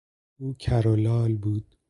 او کر و لال بود.